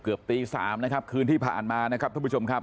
เกือบตี๓นะครับคืนที่ผ่านมานะครับท่านผู้ชมครับ